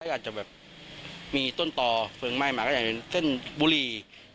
อาจจะแบบมีต้นต่อเพลิงไหม้มาก็อาจจะเป็นเส้นบุรี